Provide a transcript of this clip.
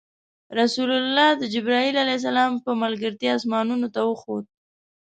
رسول الله د جبرایل ع په ملګرتیا اسمانونو ته وخوت.